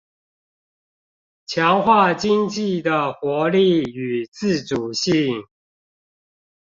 強化經濟的活力與自主性